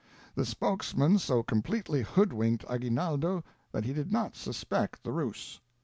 The spokesman so completely hoodwinked Agui naldo that he did not suspect the ruse.